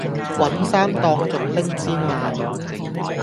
搵衫當仲拎氈賣